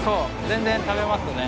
全然食べますね。